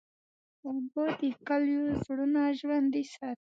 اوبه د کلیو زړونه ژوندی ساتي.